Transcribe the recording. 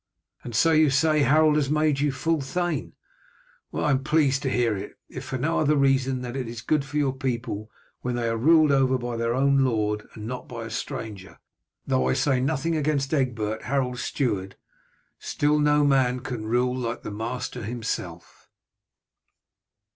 And so you say Harold has already made you full thane? I am well pleased to hear it, if for no other reason than that it is good for people when they are ruled over by their own lord and not by a stranger; though I say nothing against Egbert, Harold's steward. Still no man can rule like the master himself."